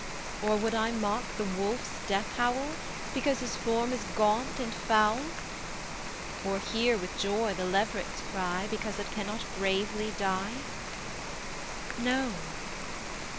Or, would I mock the wolf's death howl, Because his form is gaunt and foul? Or, hear with joy the leveret's cry, Because it cannot bravely die? No!